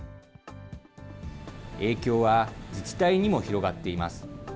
影響は自治体にも広がっています。